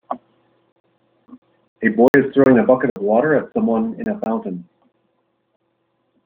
A boy is throwing a bucket of water at someone in a fountain.